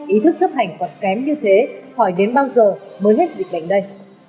ý thức chấp hành còn kém như thế hỏi đến bao giờ mới hết dịch bệnh đây